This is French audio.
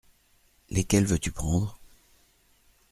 Lesquels veux-tu prendre ?